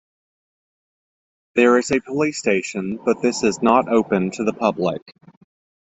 There is a police station but this is not open to the public.